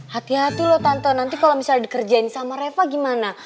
hati hati loh tante nanti kalau misalnya dikerjain sama reva gimana